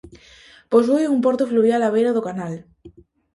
Posúe un porto fluvial á beira do canal.